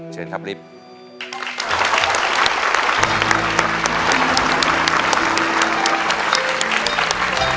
เชิญครับลิฟต์